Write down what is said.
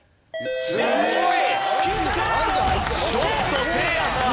ちょっとせいやさん。